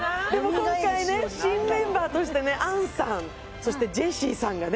今回ね新メンバーとしてね杏さんそしてジェシーさんがね